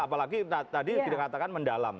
apalagi tadi tidak katakan mendalam